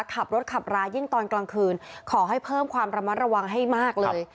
ขับรถขับรายิ่งตอนกลางคืนขอให้เพิ่มความระมัดระวังให้มากเลย